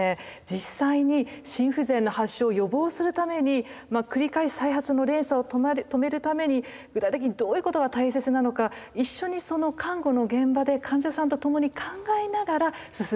実際に心不全の発症を予防するために繰り返す再発の連鎖を止めるために具体的にどういうことが大切なのか一緒にその看護の現場で患者さんと共に考えながら進めていらっしゃいます。